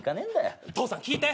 父さん聞いて！